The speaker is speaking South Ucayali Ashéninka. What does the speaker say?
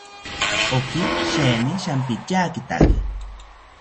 Oki sheeni shampityakitaki